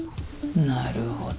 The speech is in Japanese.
なるほど。